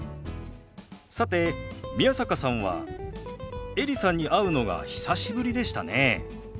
さて宮坂さんはエリさんに会うのが久しぶりでしたね。